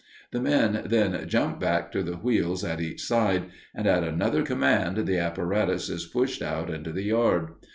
The men then jump back to the wheels at each side, and at another command the apparatus is pushed out into the yard.